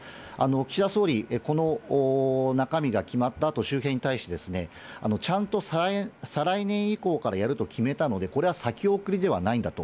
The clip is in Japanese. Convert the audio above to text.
岸田総理、この中身が決まったあと、周辺に対して、ちゃんと再来年以降からやると決めたので、これは先送りではないんだと。